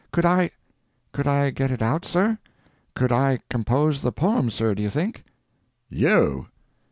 Could I—could I get it out, sir? Could I compose the poem, sir, do you think?" "You!"